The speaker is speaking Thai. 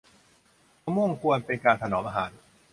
มะม่วงกวน เป็นการถนอมอาหาร